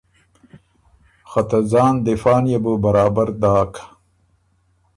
که ته ځان دفاع نيې بو برابر داک